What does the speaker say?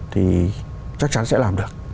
thì chắc chắn sẽ làm được